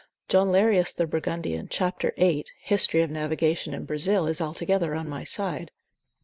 John Lerius the Burgundian, cap. 8. hist. navigat. in Brazil. is altogether on my side.